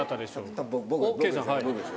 多分僕です。